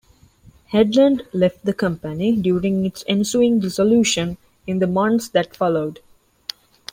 Hedlund left the company during its ensuing dissolution in the months that followed.